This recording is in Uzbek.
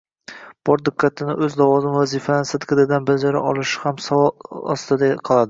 bor diqqatini o‘z lavozim vazifalarini sidqidildan bajara olishi ham savol ostida qoladi.